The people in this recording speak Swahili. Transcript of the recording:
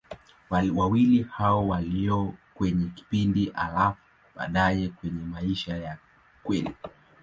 Wawili hao waliona kwenye kipindi, halafu baadaye kwenye maisha ya kweli.